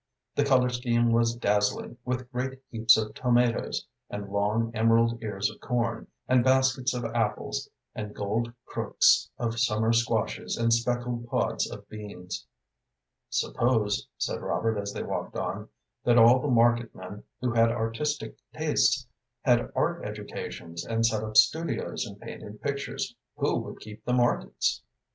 The color scheme was dazzling with great heaps of tomatoes, and long, emerald ears of corn, and baskets of apples, and gold crooks of summer squashes, and speckled pods of beans. "Suppose," said Robert, as they walked on, "that all the market men who had artistic tastes had art educations and set up studios and painted pictures, who would keep the markets?"